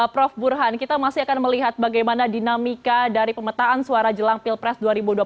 prof burhan kita masih akan melihat bagaimana dinamika dari pemetaan suara jelang pilpres dua ribu dua puluh empat